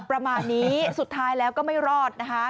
ประมาณนี้สุดท้ายแล้วก็ไม่รอดนะคะ